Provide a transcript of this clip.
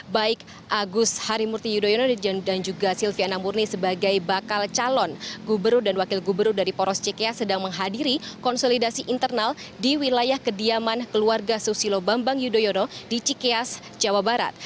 baik agus harimurti yudhoyono dan juga silviana murni sebagai bakal calon gubernur dan wakil gubernur dari poros cikeas sedang menghadiri konsolidasi internal di wilayah kediaman keluarga susilo bambang yudhoyono di cikeas jawa barat